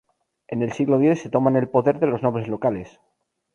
En el siglo X se toman el poder de los nobles locales.